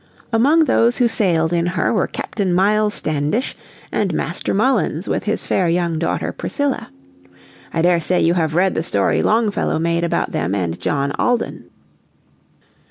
Among those who sailed in her were Captain Miles Standish and Master Mullins with his fair young daughter Priscilla. I daresay you have read the story Longfellow made about them and John Alden.